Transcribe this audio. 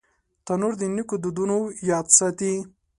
تنور د نیکو دودونو یاد ساتي